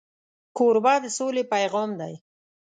کوربه د سولې پیغام دی.